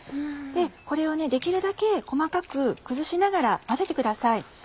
これをできるだけ細かく崩しながら混ぜてください。